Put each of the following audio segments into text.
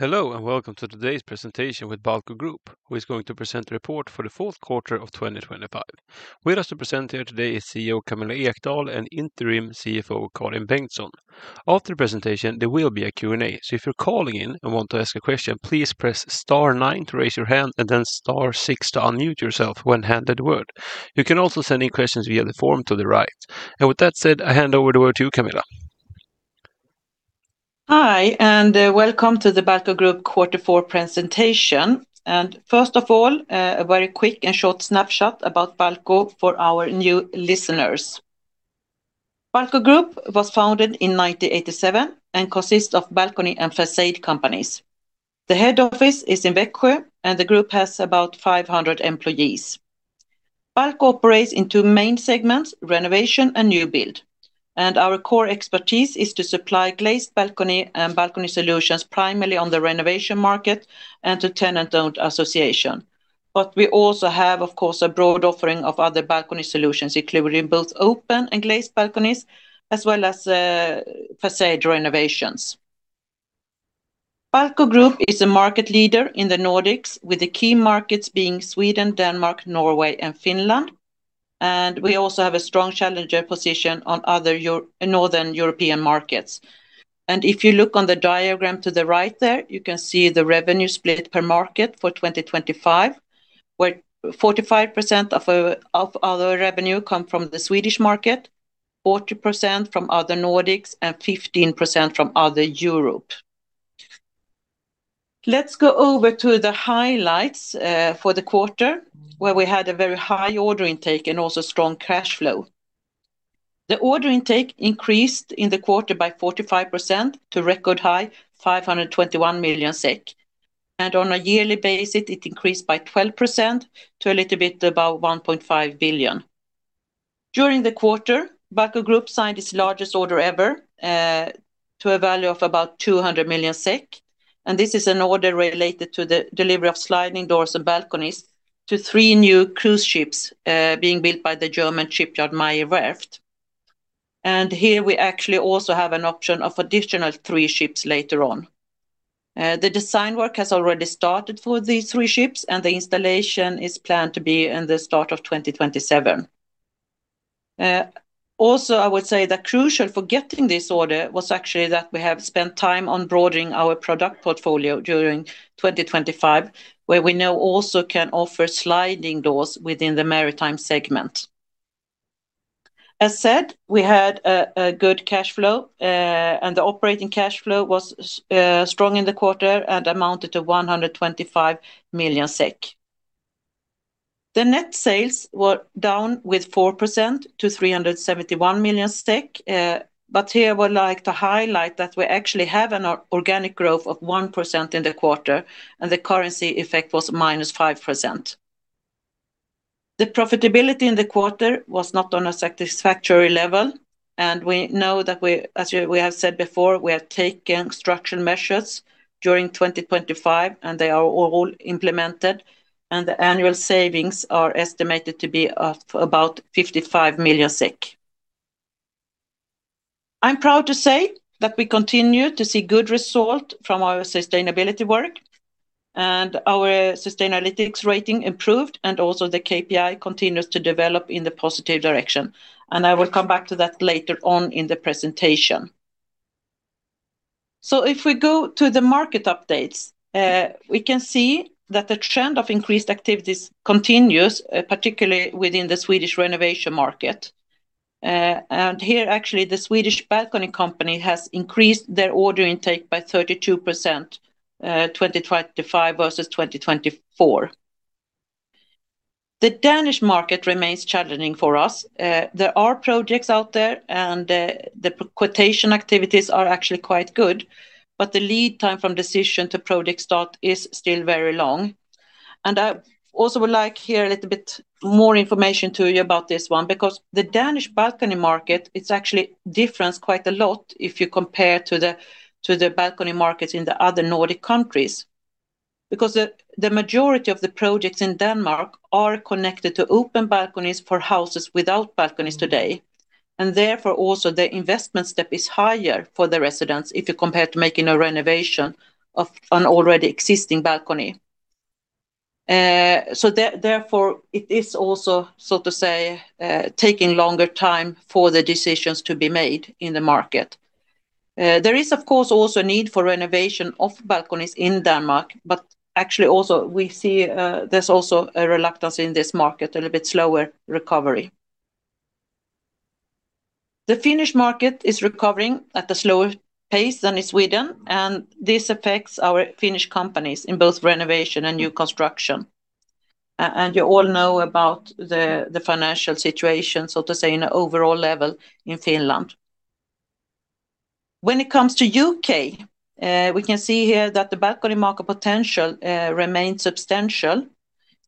Hello and welcome to today's presentation with Balco Group, who is going to present a report for the fourth quarter of 2025. With us to present here today is CEO Camilla Ekdahl and interim CFO Karin Bengtsson. After the presentation there will be a Q&A, so if you're calling in and want to ask a question please press star 9 to raise your hand and then star 6 to unmute yourself when handed the word. You can also send in questions via the form to the right. With that said I hand over the word to you Camilla. Hi and welcome to the Balco Group quarter four presentation, and first of all a very quick and short snapshot about Balco for our new listeners. Balco Group was founded in 1987 and consists of balcony and façade companies. The head office is in Växjö and the group has about 500 employees. Balco operates in two main segments, renovation and new build, and our core expertise is to supply glazed balcony and balcony solutions primarily on the renovation market and to tenant-owned association. But we also have of course a broad offering of other balcony solutions including both open and glazed balconies as well as façade renovations. Balco Group is a market leader in the Nordics with the key markets being Sweden, Denmark, Norway and Finland, and we also have a strong challenger position on other northern European markets. If you look on the diagram to the right there you can see the revenue split per market for 2025 where 45% of our revenue come from the Swedish market, 40% from other Nordics and 15% from other Europe. Let's go over to the highlights for the quarter where we had a very high order intake and also strong cash flow. The order intake increased in the quarter by 45% to record high 521 million SEK, and on a yearly basis it increased by 12% to a little bit about 1.5 billion. During the quarter Balco Group signed its largest order ever to a value of about 200 million SEK, and this is an order related to the delivery of sliding doors and balconies to three new cruise ships being built by the German shipyard Meyer Werft. Here we actually also have an option of additional 3 ships later on. The design work has already started for these 3 ships and the installation is planned to be in the start of 2027. Also I would say that crucial for getting this order was actually that we have spent time on broadening our product portfolio during 2025 where we now also can offer sliding doors within the maritime segment. As said we had a good cash flow and the operating cash flow was strong in the quarter and amounted to 125 million SEK. The net sales were down 4% to 371 million, but here I would like to highlight that we actually have an organic growth of 1% in the quarter and the currency effect was -5%. The profitability in the quarter was not on a satisfactory level, and we know that we as we have said before we have taken structural measures during 2025 and they are all implemented, and the annual savings are estimated to be of about 55 million. I'm proud to say that we continue to see good result from our sustainability work, and our Sustainalytics rating improved and also the KPI continues to develop in the positive direction, and I will come back to that later on in the presentation. So if we go to the market updates we can see that the trend of increased activities continues particularly within the Swedish renovation market, and here actually the Swedish balcony company has increased their order intake by 32% 2025 versus 2024. The Danish market remains challenging for us. There are projects out there and the quotation activities are actually quite good, but the lead time from decision to project start is still very long. I also would like to share a little bit more information to you about this one because the Danish balcony market, it's actually different quite a lot if you compare to the balcony markets in the other Nordic countries. Because the majority of the projects in Denmark are connected to open balconies for houses without balconies today, and therefore also the investment step is higher for the residents if you compare to making a renovation of an already existing balcony. So therefore it is also so to say taking longer time for the decisions to be made in the market. There is of course also a need for renovation of balconies in Denmark, but actually also we see there's also a reluctance in this market, a little bit slower recovery. The Finnish market is recovering at a slower pace than in Sweden, and this affects our Finnish companies in both renovation and new construction. You all know about the financial situation so to say on an overall level in Finland. When it comes to UK, we can see here that the balcony market potential remains substantial.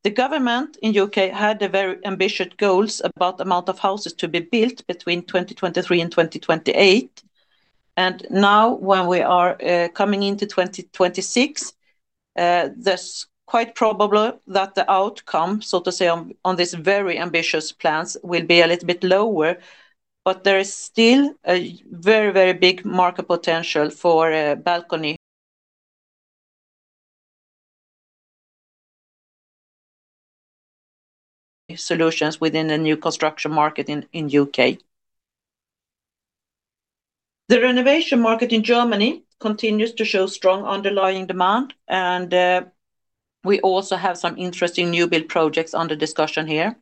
The government in the U.K. had very ambitious goals about the amount of houses to be built between 2023 and 2028, and now when we are coming into 2026 there's quite probable that the outcome so to say on these very ambitious plans will be a little bit lower, but there is still a very, very big market potential for balcony solutions within the new construction market in the U.K. The renovation market in Germany continues to show strong underlying demand, and we also have some interesting new build projects under discussion here.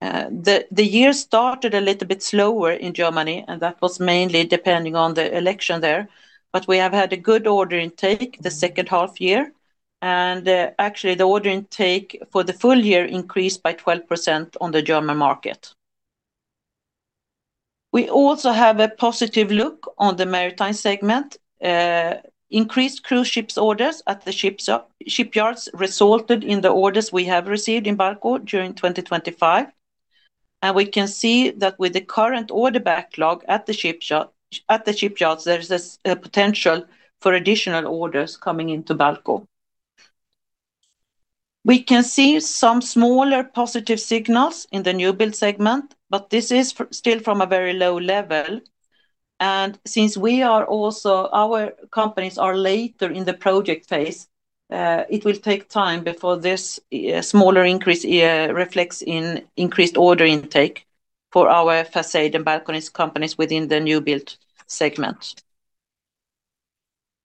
The year started a little bit slower in Germany, and that was mainly depending on the election there, but we have had a good order intake the second half year, and actually the order intake for the full year increased by 12% on the German market. We also have a positive look on the maritime segment. Increased cruise ships orders at the shipyards resulted in the orders we have received in Balco during 2025, and we can see that with the current order backlog at the shipyards there is a potential for additional orders coming into Balco. We can see some smaller positive signals in the new build segment, but this is still from a very low level, and since we are also our companies are later in the project phase it will take time before this smaller increase reflects in increased order intake for our façade and balconies companies within the new build segment.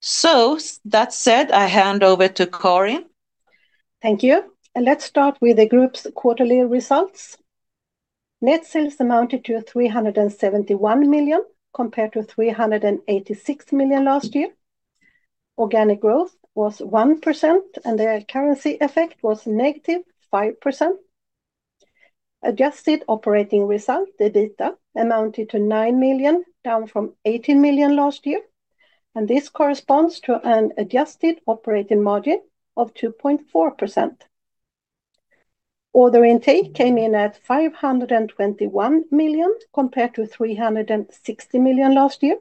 So that said I hand over to Karin. Thank you, and let's start with the group's quarterly results. Net sales amounted to 371 million compared to 386 million last year. Organic growth was 1%, and the currency effect was negative 5%. Adjusted operating result, the EBITDA, amounted to 9 million down from 18 million last year, and this corresponds to an adjusted operating margin of 2.4%. Order intake came in at 521 million compared to 360 million last year.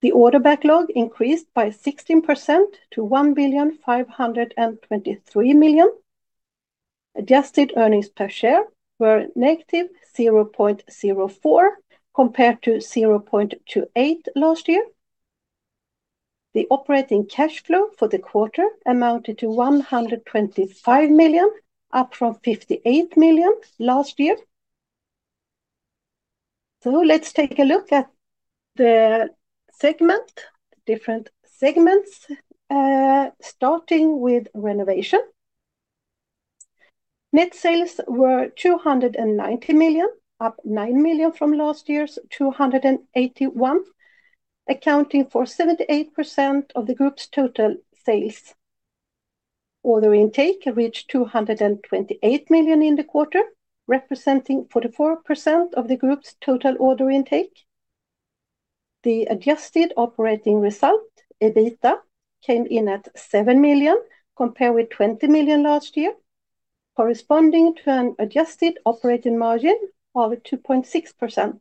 The order backlog increased by 16% to 1,523 million. Adjusted earnings per share were -0.04 compared to 0.28 last year. The operating cash flow for the quarter amounted to 125 million, up from 58 million last year. So let's take a look at the segment, different segments, starting with renovation. Net sales were 290 million, up 9 million from last year's 281 million, accounting for 78% of the group's total sales. Order intake reached 228 million in the quarter, representing 44% of the group's total order intake. The adjusted operating result, the EBITDA, came in at 7 million compared with 20 million last year, corresponding to an adjusted operating margin of 2.6%.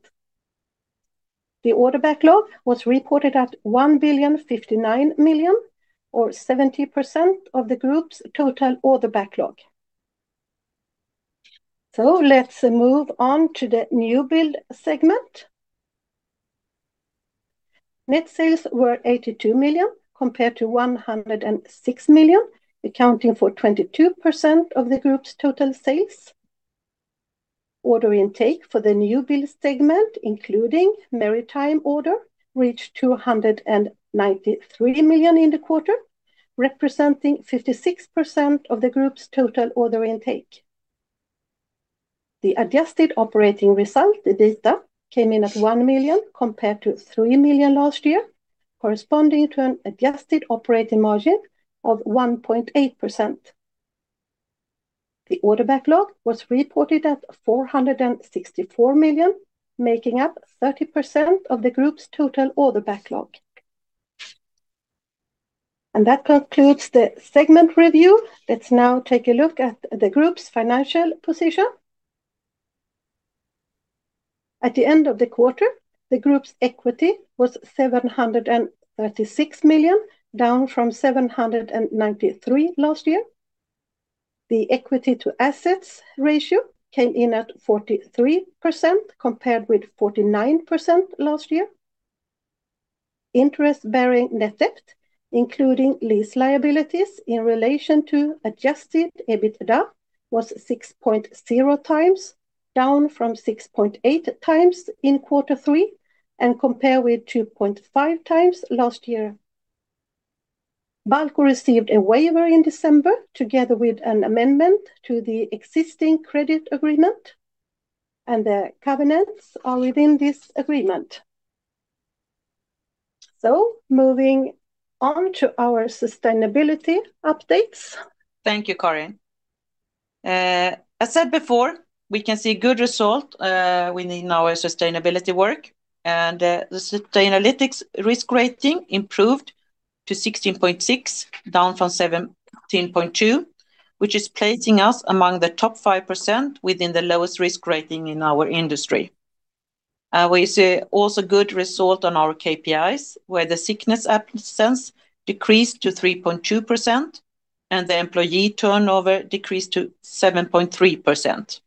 The order backlog was reported at 1,059 million, or 70% of the group's total order backlog. So let's move on to the new build segment. Net sales were 82 million compared to 106 million, accounting for 22% of the group's total sales. Order intake for the new build segment, including maritime order, reached 293 million in the quarter, representing 56% of the group's total order intake. The Adjusted EBITDA came in at 1 million compared to 3 million last year, corresponding to an adjusted operating margin of 1.8%. The order backlog was reported at 464 million, making up 30% of the group's total order backlog. And that concludes the segment review. Let's now take a look at the group's financial position. At the end of the quarter, the group's equity was 736 million, down from 793 million last year. The equity-to-assets ratio came in at 43% compared with 49% last year. Interest-bearing net debt, including lease liabilities in relation to adjusted EBITDA, was 6.0 times, down from 6.8 times in quarter three, and compared with 2.5 times last year. BALCO received a waiver in December together with an amendment to the existing credit agreement, and the covenants are within this agreement. Moving on to our sustainability updates. Thank you, Karin. As said before, we can see good result in our sustainability work, and the Sustainalytics risk rating improved to 16.6, down from 17.2, which is placing us among the top 5% within the lowest risk rating in our industry. We see also good result on our KPIs where the sickness absence decreased to 3.2%, and the employee turnover decreased to 7.3%.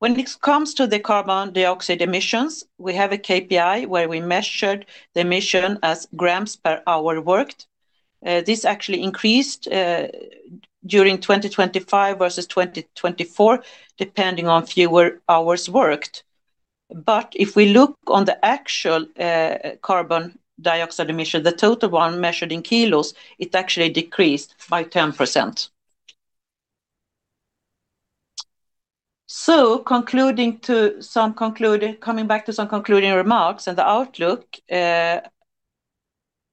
When it comes to the carbon dioxide emissions, we have a KPI where we measured the emission as grams per hour worked. This actually increased during 2025 versus 2024 depending on fewer hours worked. But if we look on the actual carbon dioxide emission, the total one measured in kilos, it actually decreased by 10%. So coming back to some concluding remarks and the outlook,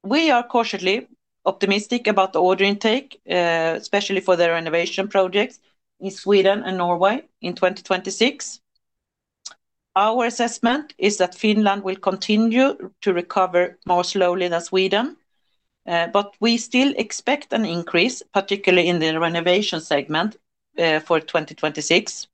we are cautiously optimistic about the order intake, especially for the renovation projects in Sweden and Norway in 2026. Our assessment is that Finland will continue to recover more slowly than Sweden, but we still expect an increase, particularly in the renovation segment for 2026.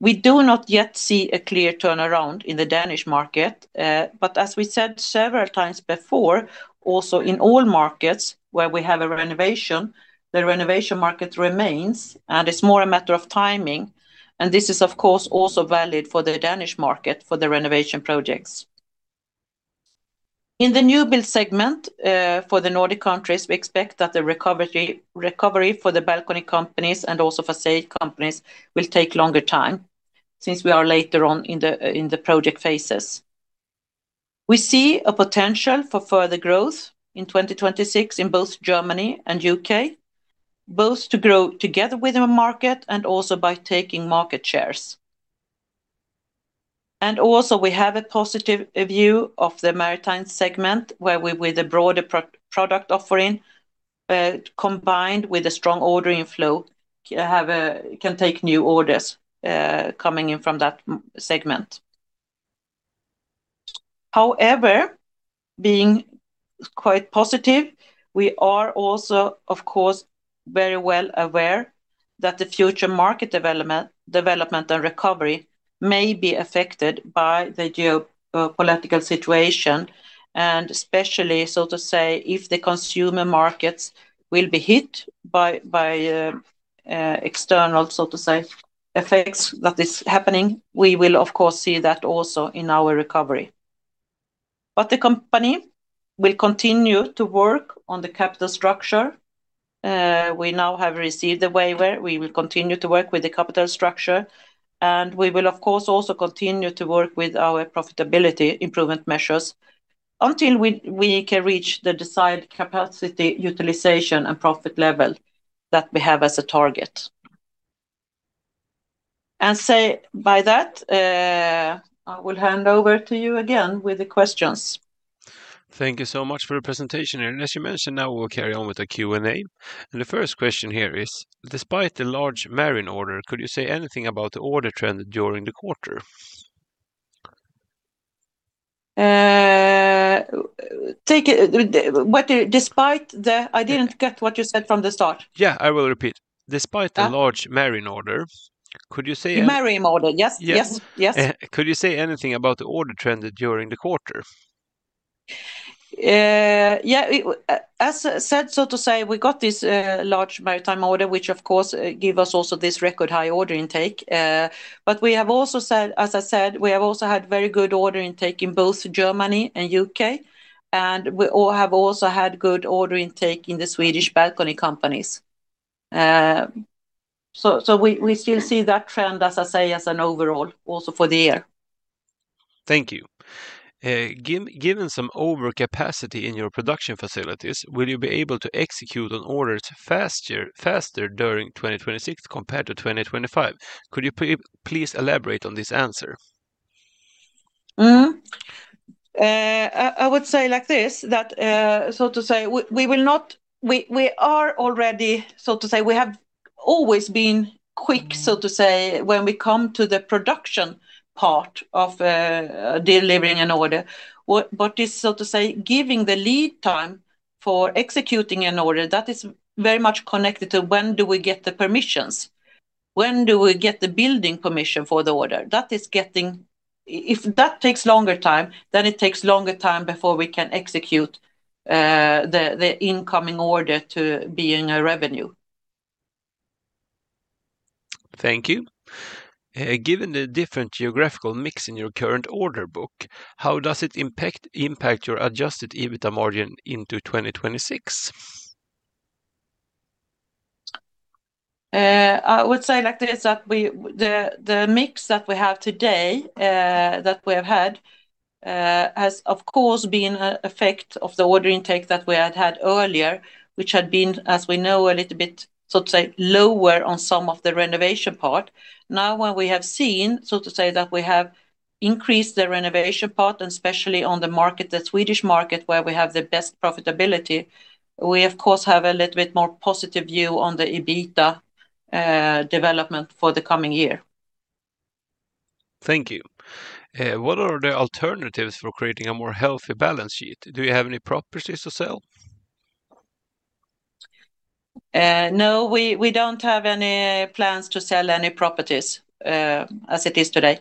We do not yet see a clear turnaround in the Danish market, but as we said several times before, also in all markets where we have a renovation, the renovation market remains, and it's more a matter of timing, and this is of course also valid for the Danish market for the renovation projects. In the new build segment for the Nordic countries, we expect that the recovery for the balcony companies and also façade companies will take longer time since we are later on in the project phases. We see a potential for further growth in 2026 in both Germany and UK, both to grow together with the market and also by taking market shares. Also we have a positive view of the maritime segment where we, with a broader product offering combined with a strong ordering flow, can take new orders coming in from that segment. However, being quite positive, we are also, of course, very well aware that the future market development and recovery may be affected by the geopolitical situation, and especially so to say if the consumer markets will be hit by external so to say effects that is happening, we will of course see that also in our recovery. But the company will continue to work on the capital structure. We now have received the waiver. We will continue to work with the capital structure, and we will of course also continue to work with our profitability improvement measures until we can reach the desired capacity utilization and profit level that we have as a target. By that, I will hand over to you again with the questions. Thank you so much for the presentation here. As you mentioned, now we will carry on with the Q&A. The first question here is, despite the large marine order, could you say anything about the order trend during the quarter? Despite, I didn't get what you said from the start. Yeah, I will repeat. Despite the large marine order, could you say anything? Marine order, yes, yes, yes. Could you say anything about the order trend during the quarter? Yeah, as I said, so to say, we got this large maritime order, which of course gave us also this record high order intake. But we have also said, as I said, we have also had very good order intake in both Germany and UK, and we have also had good order intake in the Swedish balcony companies. So we still see that trend, as I say, as an overall also for the year. Thank you. Given some overcapacity in your production facilities, will you be able to execute on orders faster during 2026 compared to 2025? Could you please elaborate on this answer? I would say like this, that so to say, we are already so to say, we have always been quick so to say when we come to the production part of delivering an order. But this so to say, giving the lead time for executing an order, that is very much connected to when do we get the permissions? When do we get the building permission for the order? That is getting if that takes longer time, then it takes longer time before we can execute the incoming order to be in a revenue. Thank you. Given the different geographical mix in your current order book, how does it impact your Adjusted EBITDA margin into 2026? I would say like this, that the mix that we have today, that we have had, has of course been an effect of the order intake that we had had earlier, which had been, as we know, a little bit so to say, lower on some of the renovation part. Now when we have seen so to say that we have increased the renovation part, and especially on the market, the Swedish market where we have the best profitability, we of course have a little bit more positive view on the EBITDA development for the coming year. Thank you. What are the alternatives for creating a more healthy balance sheet? Do you have any properties to sell? No, we don't have any plans to sell any properties as it is today.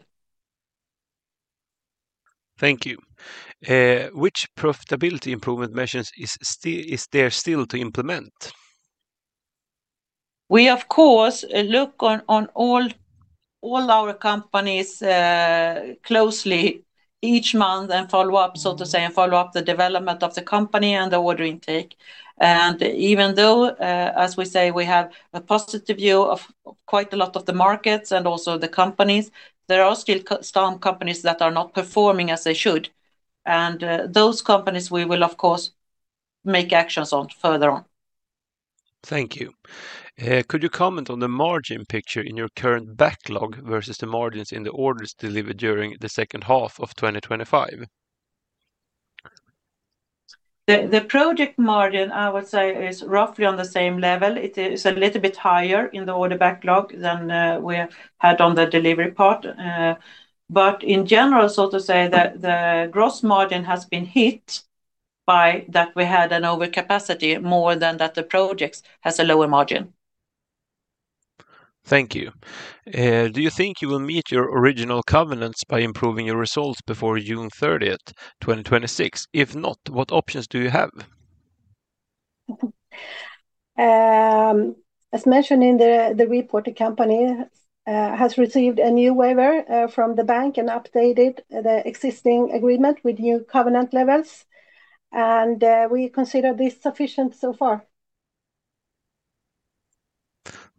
Thank you. Which profitability improvement measures is there still to implement? We of course look on all our companies closely each month and follow up so to say, and follow up the development of the company and the order intake. And even though, as we say, we have a positive view of quite a lot of the markets and also the companies, there are still some companies that are not performing as they should. And those companies we will of course make actions on further on. Thank you. Could you comment on the margin picture in your current backlog versus the margins in the orders delivered during the second half of 2025? The project margin, I would say, is roughly on the same level. It is a little bit higher in the order backlog than we had on the delivery part. But in general, so to say, the gross margin has been hit by that we had an overcapacity more than that the project has a lower margin. Thank you. Do you think you will meet your original covenants by improving your results before June 30th, 2026? If not, what options do you have? As mentioned in the report, the company has received a new waiver from the bank and updated the existing agreement with new covenant levels. We consider this sufficient so far.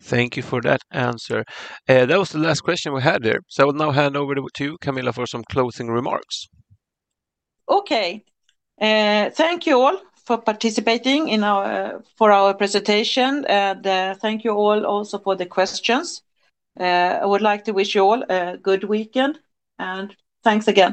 Thank you for that answer. That was the last question we had there. I will now hand over to Camilla for some closing remarks. Okay. Thank you all for participating in our presentation. Thank you all also for the questions. I would like to wish you all a good weekend. Thanks again.